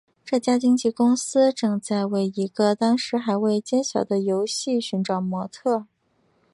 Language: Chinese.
这家经纪公司正在为一个当时还未揭晓的游戏寻找模特儿。